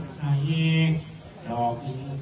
สวัสดีทุกคน